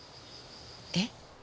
えっ？